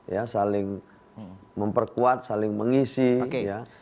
ya saling memperkuat saling mengisi ya